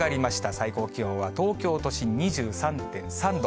最高気温は東京都心２３．３度。